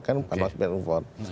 kan bawaslu biak numpor